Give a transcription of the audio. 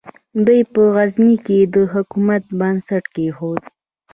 دوی په غزني کې د حکومت بنسټ کېښود.